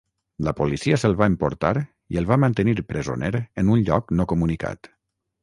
La policia se'l va emportar i el va mantenir presoner en un lloc no comunicat.